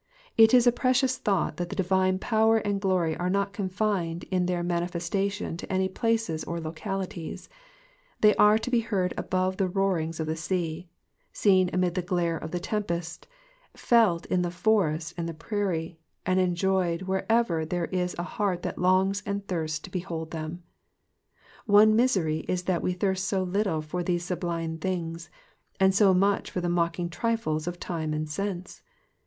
It is a precious thought that the divine power and glory are not confined in their mani festation to any places or localities ; they are to be heard above the roaring of the sea, seen amid the glare of the tempest, felt in the forest and the prairie, and enjoyed wherever there is a heart that lougs and thirsts to behold them. Our misery is that we thirst so little for these sublime things, and so much for the mocking trifles of time and sense.